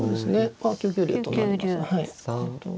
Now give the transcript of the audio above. まあ９九竜となります。